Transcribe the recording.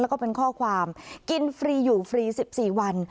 แล้วก็เป็นข้อความกินฟรีอยู่ฟรี๑๔วัน